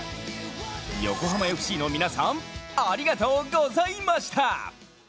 横浜ＦＣの皆さんありがとうございました。